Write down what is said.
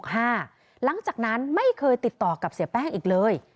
หลังจากนั้นไม่เคยติดต่อกับเสียแป้งอีกเลย